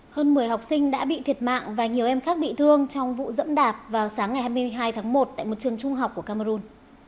hơn một mươi học sinh đã bị thiệt mạng và nhiều em khác bị thương trong vụ dẫm đạp vào sáng ngày hai mươi hai tháng một tại một trường trung học của cameroon